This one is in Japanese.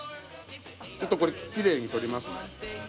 ちょっとこれきれいに取りますね。